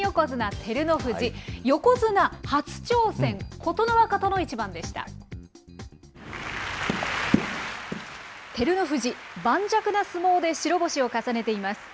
照ノ富士、盤石な相撲で白星を重ねています。